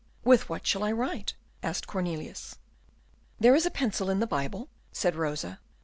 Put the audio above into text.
"With what shall I write?" asked Cornelius. "There is a pencil in the Bible," said Rosa.